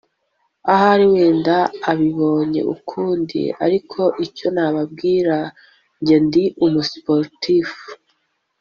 hari wenda ababibonye ukundi ariko icyo nababwira njye ndi umu-Sportif